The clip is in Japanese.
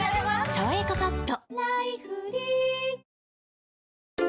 「さわやかパッド」